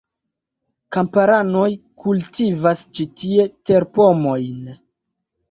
Kamparanoj kultivas ĉi tie terpomojn.